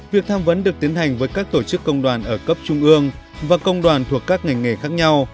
việc tham vấn được tiến hành với các tổ chức công đoàn ở cấp trung ương và công đoàn thuộc các ngành nghề khác nhau